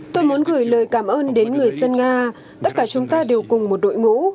tôi muốn gửi lời cảm ơn đến người dân nga tất cả chúng ta đều cùng một đội ngũ